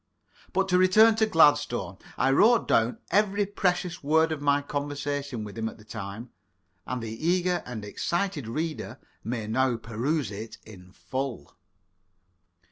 But to return to Gladstone. I wrote down every precious word of my conversation with him at the time, and the eager and excited reader may now peruse it in full.